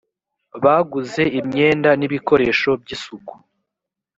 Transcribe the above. baguze imyenda n ‘ibikoresho by’ isuku